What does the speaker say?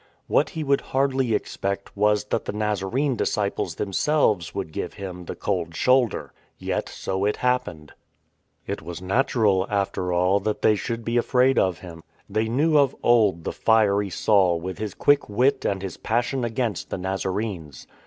What he would hardly expect was that the Nazarene disciples themselves would give him the cold shoulder. Yet so it happened. It was natural, after all, that they should be afraid of him. They knew of old the fiery Saul with his quick wit and his passion against the Nazarenes.